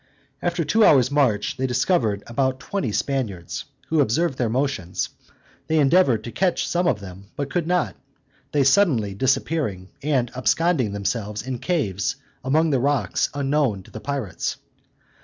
After two hours' march, they discovered about twenty Spaniards, who observed their motions: they endeavored to catch some of them, but could not, they suddenly disappearing, and absconding themselves in caves among the rocks unknown to the pirates.